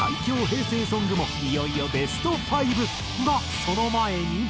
平成ソングもいよいよベスト５。がその前に。